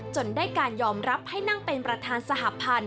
จนได้การยอมรับให้นั่งเป็นประธานสหพันธ์